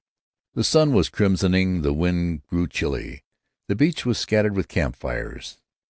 The sun was crimsoning; the wind grew chilly. The beach was scattered with camp fires.